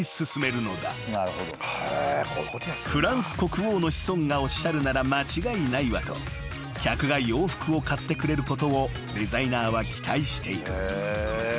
［フランス国王の子孫がおっしゃるなら間違いないわと客が洋服を買ってくれることをデザイナーは期待している］